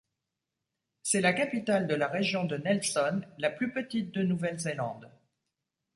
C'est la capitale de la région de Nelson, la plus petite de Nouvelle-Zélande.